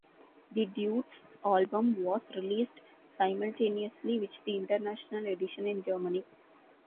The "Deutsches Album" was released simultaneously with the international edition in Germany.